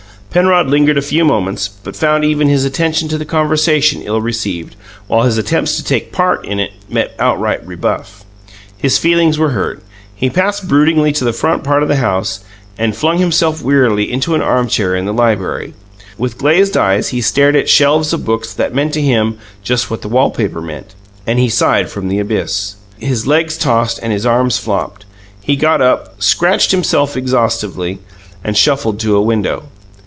Penrod lingered a few moments, but found even his attention to the conversation ill received, while his attempts to take part in it met outright rebuff. His feelings were hurt; he passed broodingly to the front part of the house, and flung himself wearily into an armchair in the library. With glazed eyes he stared at shelves of books that meant to him just what the wallpaper meant, and he sighed from the abyss. His legs tossed and his arms flopped; he got up, scratched himself exhaustively, and shuffled to a window.